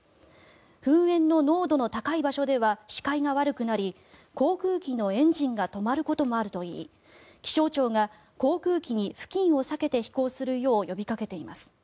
噴煙の濃度の高い場所では視界が悪くなり航空機のエンジンが止まることもあるといい気象庁が航空機に付近を避けて飛行するよう呼びかけています。